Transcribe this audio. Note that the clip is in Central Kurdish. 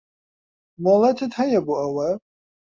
مۆڵەتت هەیە بۆ ئەوە؟